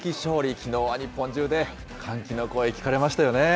きのうは日本中で歓喜の声、聞かれましたよね。